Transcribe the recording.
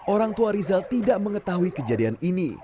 orang tua rizal tidak mengetahui kejadian ini